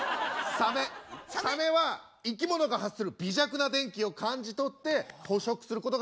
サメは生き物が発する微弱な電気を感じ取って捕食することができるんですよ。